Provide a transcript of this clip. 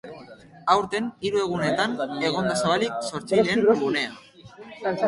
Aurten, hiru egunetan egon da zabalik sortzaileen gunea.